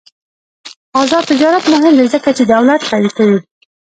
آزاد تجارت مهم دی ځکه چې دولت قوي کوي.